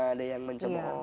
ada yang mencemo